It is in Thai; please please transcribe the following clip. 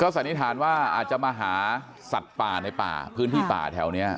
สันนิษฐานว่าอาจจะมาหาสัตว์ป่าในป่าพื้นที่ป่าแถวนี้